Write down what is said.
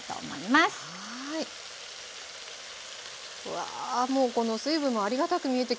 わもうこの水分もありがたく見えてきます。